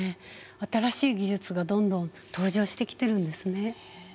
新しい技術がどんどん登場してきてるんですね。